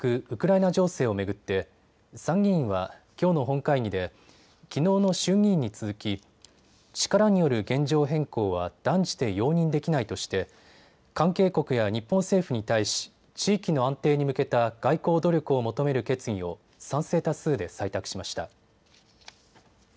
ウクライナ情勢を巡って、参議院はきょうの本会議できのうの衆議院に続き力による現状変更は断じて容認できないとして関係国や日本政府に対し地域の安定に向けた外交努力を求める決議を賛成多数で採択しました。